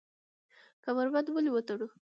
کمربند ولې وتړو؟